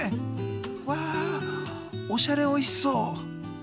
わあおしゃれおいしそう。